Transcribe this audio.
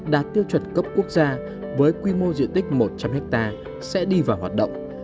đạt tiêu chuẩn cấp quốc gia với quy mô diện tích một trăm linh hectare sẽ đi vào hoạt động